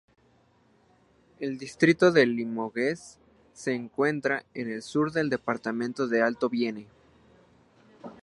El distrito de Limoges se encuentra en el sur del departamento de Alto Vienne.